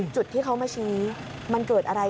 จุดที่เขามาชี้มันเกิดอะไร